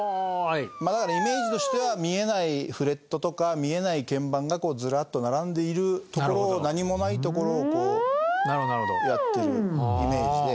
まあだからイメージとしては見えないフレットとか見えない鍵盤がこうずらっと並んでいるところを何もないところをこうやってるイメージで。